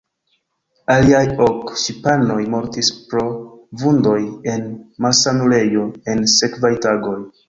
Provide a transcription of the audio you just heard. Aliaj ok ŝipanoj mortis pro vundoj en malsanulejo en sekvaj tagoj.